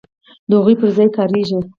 د هغو پر ځای کاریږي.